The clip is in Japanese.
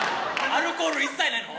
アルコール一切ないの？